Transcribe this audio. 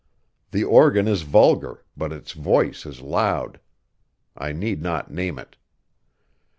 The organ is vulgar, but its voice is loud. I need not name it.